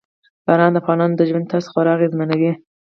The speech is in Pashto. باران د افغانانو د ژوند طرز خورا اغېزمنوي.